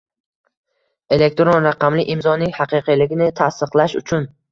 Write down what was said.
Elektron raqamli imzoning haqiqiyligini tasdiqlash uchun